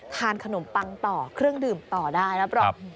ทานขนมปังต่อเครื่องดื่มต่อได้รับรอง